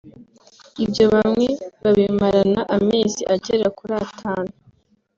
ibyo bamwe babimarana amezi agera kuri atanu